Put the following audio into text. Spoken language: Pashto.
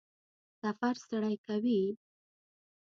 سفر ستړی کوي؟